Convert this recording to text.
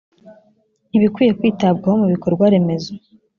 ibikwiye kwitabwaho mu bikorwaremezo